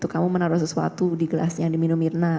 kamu menaruh sesuatu di gelasnya di minum irna